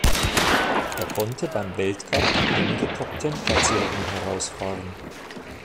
Er konnte beim Weltcup einige Top-Ten-Platzierungen herausfahren.